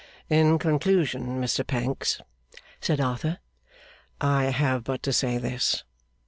'In conclusion, Mr Pancks,' said Arthur, 'I have but to say this.